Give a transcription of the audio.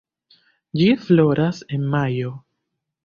Ĝi floras en majo.